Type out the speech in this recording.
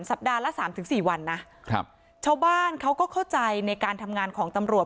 ปัดละสามถึงสี่วันนะครับชาวบ้านเขาก็เข้าใจในการทำงานของตำรวจ